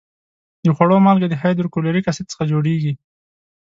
د خوړو مالګه د هایدروکلوریک اسید څخه جوړیږي.